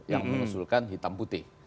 yang menurutkan hitam putih